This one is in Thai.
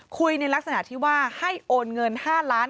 ในลักษณะที่ว่าให้โอนเงิน๕ล้าน